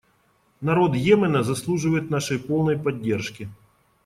Народ Йемена заслуживает нашей полной поддержки.